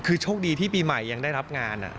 คือโชคดีที่ปีใหม่ยังได้รับงาน